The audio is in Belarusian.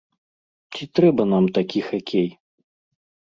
Ці трэба нам такі хакей?